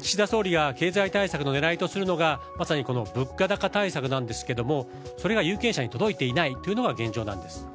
岸田総理が経済対策の狙いとするのがまさに物価高対策ですがそれが有権者に届いていないのが現状なんです。